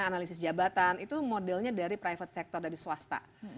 analisis jabatan itu modelnya dari private sector dari swasta